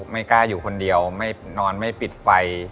ไม่กล้าอยู่คนเดียวไม่นอนไม่ปิดไฟ